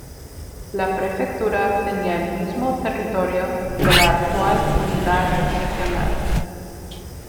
La prefectura tenía el mismo territorio que la actual unidad regional.